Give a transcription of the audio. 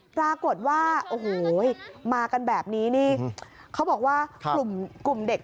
ปรากฏว่าโอ้โหมากันแบบนี้นี่เขาบอกว่ากลุ่มเด็ก